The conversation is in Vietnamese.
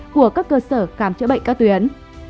của các cơ sở khám chữa bệnh ca tuyến